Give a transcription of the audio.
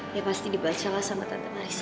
ya pasti dibacalah sama tante mari